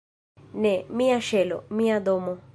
"Ne! Mia ŝelo! Mia domo!"